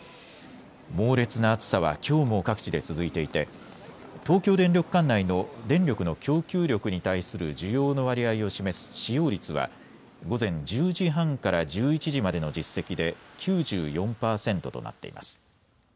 猛烈な暑さはきょうも各地で続いていて東京電力管内の電力の供給力に対する需要の割合を示す使用率は午前１０時半から１１時までの実績で９４％となっています。